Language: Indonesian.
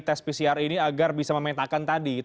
tes pcr ini agar bisa memetakan tadi